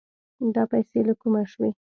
دا پيسې له کومه شوې؟